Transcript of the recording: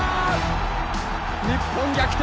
日本逆転。